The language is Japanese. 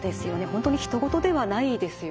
本当にひと事ではないですよね。